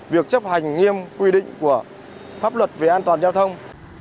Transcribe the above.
việc chấp hành nghiêm quy định của pháp luật về an toàn giao thông